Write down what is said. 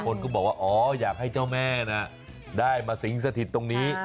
คนก็บอกว่าอ๋ออยากให้เจ้าแม่น่ะได้มาสิงสถิตตรงนี้